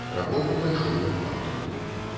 Пракоп увайшоў у хату.